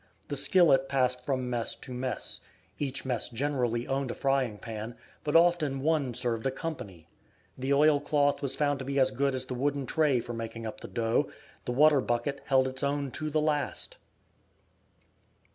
The skillet passed from mess to mess. Each mess generally owned a frying pan, but often one served a company. The oil cloth was found to be as good as the wooden tray for making up the dough. The water bucket held its own to the last!